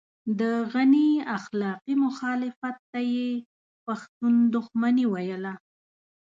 د غني اخلاقي مخالفت ته يې پښتون دښمني ويله.